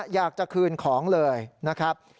อยากจะคืนของเลยนะครับ